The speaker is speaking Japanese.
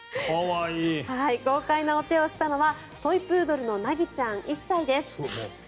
豪快なお手をしたのはトイプードルの凪ちゃん１歳です。